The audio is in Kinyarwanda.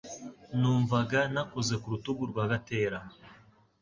Numvaga nakoze ku rutugu rwa Gatera.